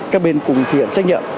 các bên cùng thiện trách nhiệm